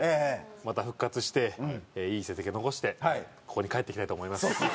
また復活していい成績を残してここに帰ってきたいと思います。